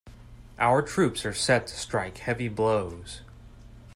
Our troops are set to strike heavy blows.